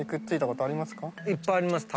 いっぱいあります。